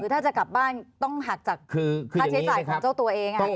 ถ้าจะกลับบ้านต้องหักจากค่าใช้จ่ายของเจ้าตัวเอง